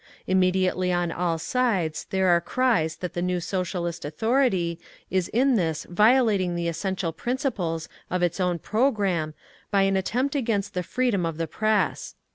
Immediately on all sides there are cries that the new Socialist authority is in this violating the essential principles of its own programme by an attempt against the freedom of the press.